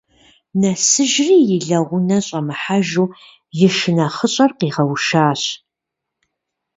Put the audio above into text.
Нэсыжри, и лэгъунэ щӏэмыхьэжу, и шынэхъыщӏэр къигъэушащ.